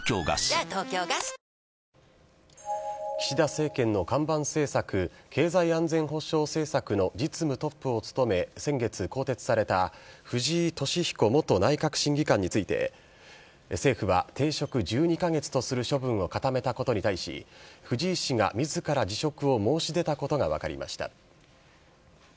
岸田政権の看板政策、経済安全保障政策の実務トップを務め、先月、更迭された、藤井敏彦元内閣審議官について、政府は停職１２か月とする処分を固めたことに対し、藤井氏がみずから辞職を申し出たことが分かりました。